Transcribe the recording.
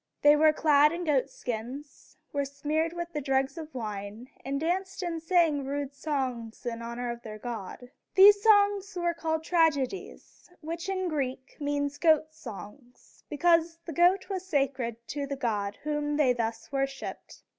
They were clad in goatskins, were smeared with the dregs of wine, and danced and sang rude songs in honor of their god. [Illustration: Theater of Dionysus.] These songs were called tragedies, which in Greek means "goat songs," because the goat was sacred to the god whom they thus worshiped.